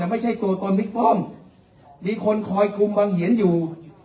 น่ะไม่ใช่ตัวกรพิกเลิงมีคนคอยคุมวังเหี่ยนอยู่